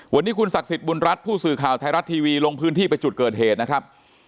วันนี้คุณศักดิ์สิทธิบุญรัฐผู้สื่อข่าวไทยรัฐทีวีลงพื้นที่ไปจุดเกิดเหตุนะครับ